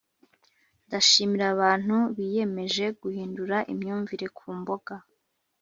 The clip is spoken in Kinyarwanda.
ndashimira abantu biyemeje guhindura imyumvire ku mboga.